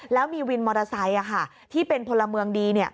แล้วมีวินมอเตอร์ไซค์ที่เป็นพลเมืองดี